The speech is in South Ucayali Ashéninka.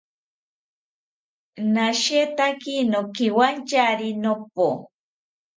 Nashetaki nokiwantyari nopo